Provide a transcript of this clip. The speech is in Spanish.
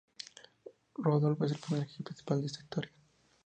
Rudolf es el personaje principal de esta historia.